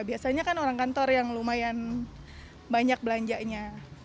biasanya kan orang kantor yang lumayan banyak belanjanya